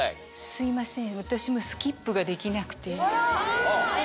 すいません！